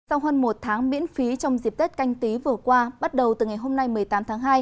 sau hơn một tháng miễn phí trong dịp tết canh tí vừa qua bắt đầu từ ngày hôm nay một mươi tám tháng hai